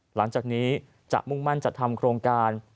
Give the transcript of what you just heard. หลังจากนี้จะมุ่งมั่นจัดทำโครงการ